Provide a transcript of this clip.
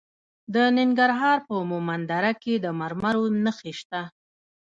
د ننګرهار په مومند دره کې د مرمرو نښې شته.